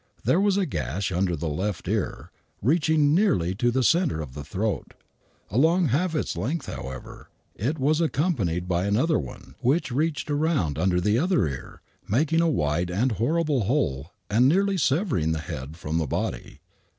There was a gash under the left ear, reaching nearly to the centre of the throat. Along half its length, however, it was accompanied by another one, which reached around under the other ear, making a wide and horrible hole and nearly severing the head from the l>ody.